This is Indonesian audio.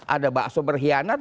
ada bakso berhianat